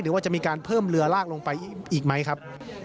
ว่าจะมีการเพิ่มเรือลากลงไปอีกไหมครับ